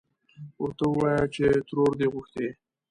ورته ووايه چې ترور دې غوښتې.